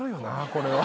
これは。